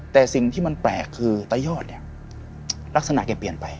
แต่สิ่งที่มันแปลกคือตายอดเนี่ยลักษณะแกเปลี่ยนไป